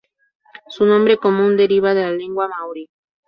Su nombre común deriva de la lengua maorí.